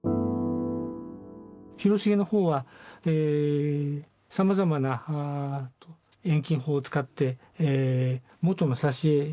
広重の方はさまざまな遠近法を使って元の挿絵にないですね